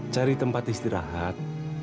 cari tempat istirahat